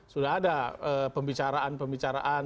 sudah ada pembicaraan pembicaraan